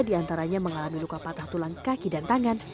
tiga diantaranya mengalami luka patah tulang kaki dan tangan